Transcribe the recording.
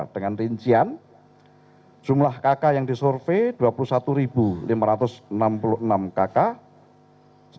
dengan rincian jumlah kakak yang disurvei dua puluh satu lima ratus enam puluh enam kakak